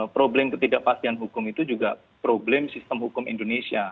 problem ketidakpastian hukum itu juga problem sistem hukum indonesia